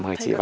ở đây là